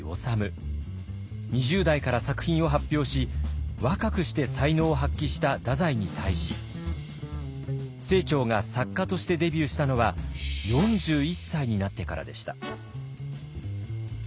２０代から作品を発表し若くして才能を発揮した太宰に対し清張が作家としてデビューしたのは４１歳になってからでした。